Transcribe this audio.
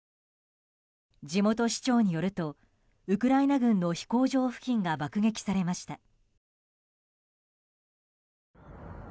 地元市長によるとウクライナ軍の飛行場付近が爆撃されました。